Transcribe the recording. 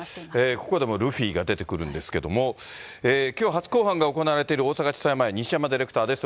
ここでもルフィが出てくるんですけれども、きょう、初公判が行われている大阪地裁前、西山ディレクターです。